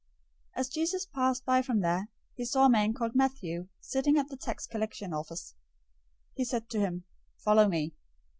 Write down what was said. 009:009 As Jesus passed by from there, he saw a man called Matthew sitting at the tax collection office. He said to him, "Follow me."